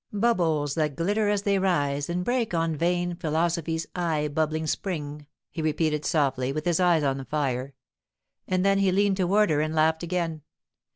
'"Bubbles that glitter as they rise and break on vain philosophy's aye bubbling spring,"' he repeated softly, with his eyes on the fire; and then he leaned toward her and laughed again.